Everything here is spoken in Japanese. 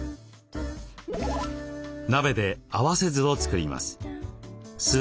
鍋で合わせ酢をつくります。